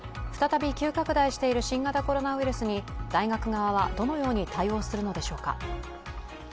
再び急拡大している新型コロナウイルスに大学側はどのように対応するのでしょうか。